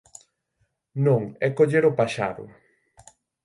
Non, é coller o paxaro.